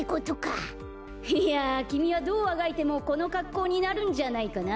いやきみはどうあがいてもこのかっこうになるんじゃないかな。